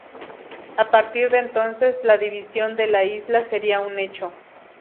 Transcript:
A partir de entonces, la división de la isla sería un hecho.